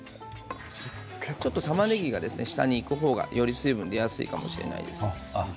ちょっとたまねぎが下にいく方がより水分が出やすいかもしれません。